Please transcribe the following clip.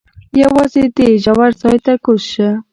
یوازې دې ژور ځای ته کوز شه.